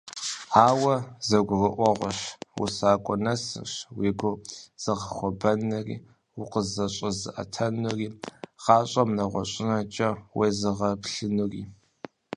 Ауэ, зэрыгурыӀуэгъуэщи, усакӀуэ нэсырщ уи гур зыгъэхуэбэнури, укъызэщӀэзыӀэтэнури, гъащӀэм нэгъуэщӀынэкӀэ уезыгъэплъынури.